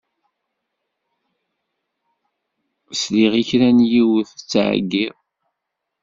Sliɣ i kra n yiwet tettɛeyyiḍ.